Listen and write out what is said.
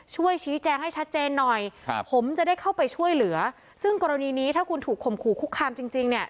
ช่วยชี้แจงให้ชัดเจนหน่อยครับผมจะได้เข้าไปช่วยเหลือซึ่งกรณีนี้ถ้าคุณถูกข่มขู่คุกคามจริงจริงเนี่ย